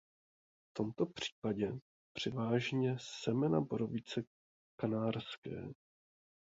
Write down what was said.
V tomto případě převážně semena borovice kanárské.